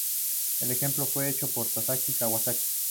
El ejemplo fue hecho por Takashi Kawasaki.